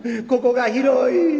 ここが広い。